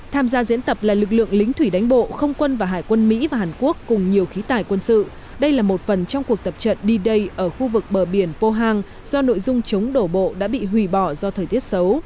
tham gia diễn tập là lực lượng lính thủy đánh bộ không quân và hải quân mỹ và hàn quốc cùng nhiều khí tài quân sự đây là một phần trong cuộc tập trận đi đây ở khu vực bờ biển pohang do nội dung chống đổ bộ đã bị hủy bỏ do thời tiết xấu